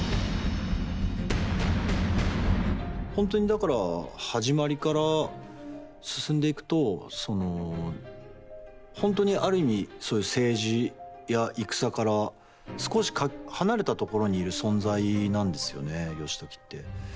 本当に、だから始まりから進んでいくと本当にある意味そういう政治や戦から少し離れたところにいる存在なんですよね、義時って。